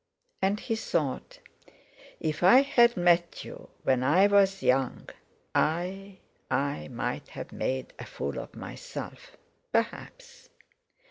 And he thought: "If I had met you when I was young I—I might have made a fool of myself, perhaps."